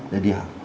để đi học